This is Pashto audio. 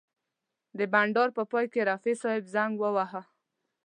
د بنډار په پای کې رفیع صاحب زنګ وواهه.